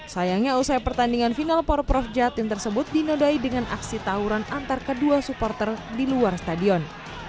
sayangnya usai pertandingan final por prof jatim tersebut dinodai dengan aksi tawuran antar kedua supporter di luar stadion